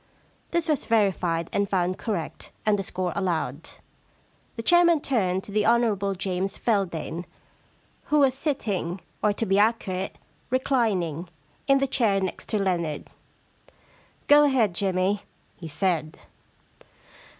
This was verified and found correct and the score allowed. The chairman turned to the Hon. James Feldane, who was sitting — or, to be accurate, reclining — in the chair next to Leonard. * Go ahead, Jimmy,' he said.